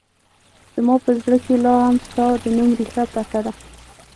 زما په زړه کې لا هم ستا د نوم رېښه پرته ده